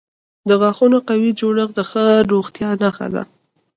د غاښونو قوي جوړښت د ښه روغتیا نښه ده.